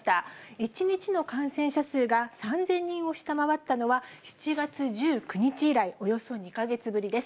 １日の感染者数が３０００人を下回ったのは、７月１９日以来、およそ２か月ぶりです。